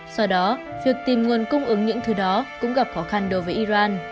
do đó việc tìm nguồn cung ứng những thứ đó cũng gặp khó khăn đối với iran